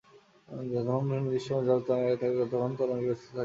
যতক্ষণ নির্দিষ্ট পরিমাণ জল তরঙ্গের আকারে থাকে, ততক্ষণই তরঙ্গের অস্তিত্ব থাকিবে।